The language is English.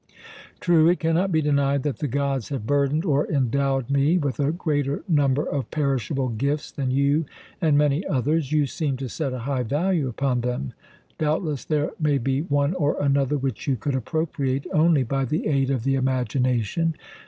True, it cannot be denied that the gods have burdened or endowed me with a greater number of perishable gifts than you and many others. You seem to set a high value upon them. Doubtless there may be one or another which you could appropriate only by the aid of the imagination.